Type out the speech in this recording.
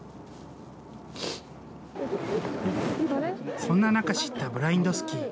そんな中、知ったブラインドスキー。